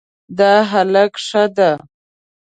دا هلک ښه ده